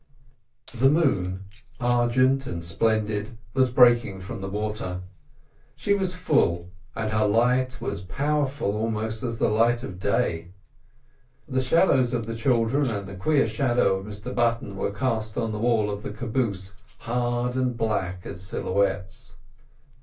The moon, argent and splendid, was breaking from the water. She was full, and her light was powerful almost as the light of day. The shadows of the children and the queer shadow of Mr Button were cast on the wall of the caboose hard and black as silhouettes.